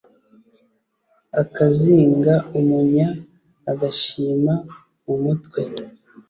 akazinga umunya agashima mu mutwe